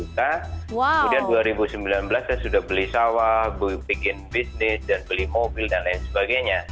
kemudian dua ribu sembilan belas saya sudah beli sawah bikin bisnis dan beli mobil dan lain sebagainya